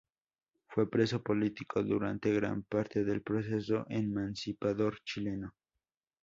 Fue preso político durante gran parte del proceso emancipador chileno.